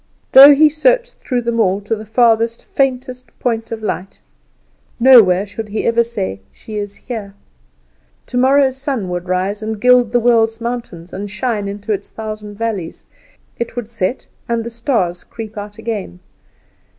Though he searched through them all, to the furthest, faintest point of light, nowhere should he ever say, "She is here!" Tomorrow's sun would rise and gild the world's mountains, and shine into its thousand valleys; it would set and the stars creep out again.